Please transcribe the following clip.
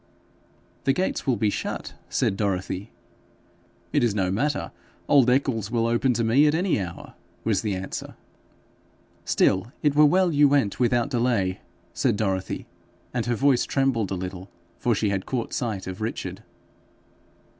'The gates will be shut,' said Dorothy. 'It is no matter; old Eccles will open to me at any hour,' was the answer. 'Still it were well you went without delay,' said Dorothy; and her voice trembled a little, for she had caught sight of Richard.